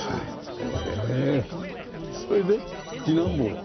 それで次男坊は？